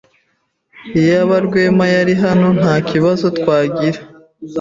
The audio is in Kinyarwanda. Iyaba Rwema yari hano, ntakibazo twagira.